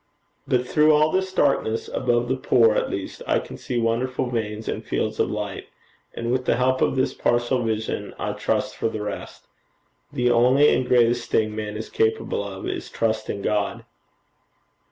But through all this darkness about the poor, at least I can see wonderful veins and fields of light, and with the help of this partial vision, I trust for the rest. The only and the greatest thing man is capable of is Trust in God.'